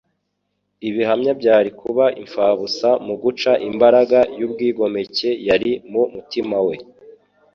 Ibihamya byari kuba impfabusa mu guca imbaraga y'ubwigomeke yari mu mutima we